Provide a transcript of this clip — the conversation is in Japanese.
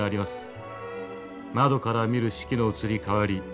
窓から見る四季の移り変わり。